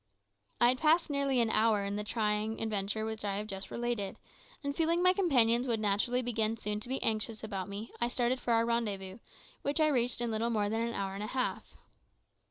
I had passed nearly an hour in the trying adventure which I have just related, and feeling that my companions would naturally begin soon to be anxious about me, I started for our rendezvous, which I reached in little more than an hour and a half.